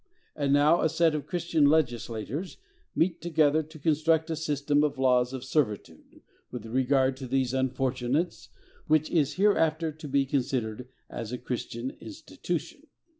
And now a set of Christian legislators meet together to construct a system and laws of servitude, with regard to these unfortunates, which is hereafter to be considered as a Christian institution.